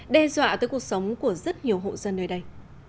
đe dọa tới cuộc sống của rất nhiều hộ dân nơi đây